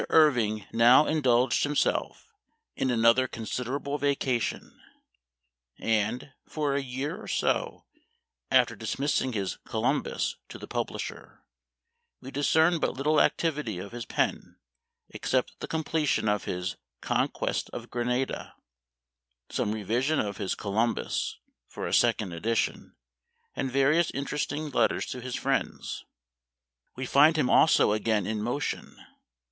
IRVING now indulged himself in an •LVJ ther considerable vacation; and, for a year or so after dismissing his " Columbus " to the publisher, we discern but little activity of his pen except the completion of his " Conquest of Grenada," some revision of his " Columbus " for a second edition, and various interesting letters to his friends. We find him also again in motion.